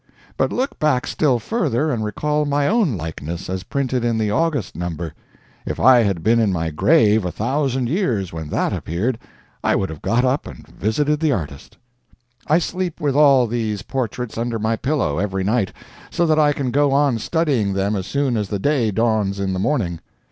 But look back still further and recall my own likeness as printed in the August number; if I had been in my grave a thousand years when that appeared, I would have got up and visited the artist. I sleep with all these portraits under my pillow every night, so that I can go on studying them as soon as the day dawns in the morning.